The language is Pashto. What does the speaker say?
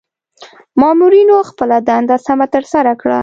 مامورنیو خپله دنده سمه ترسره کړه.